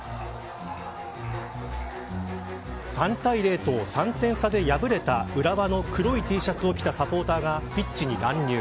３対０と、３点差で敗れた浦和の黒いＴシャツを着たサポーターがピッチに乱入。